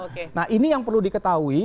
atau kesalahan yang perlu diketahui